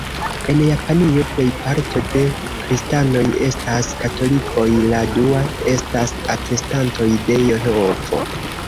En Japanio, plejparto de Kristanoj estas Katolikoj, la dua estas Atestantoj de Jehovo.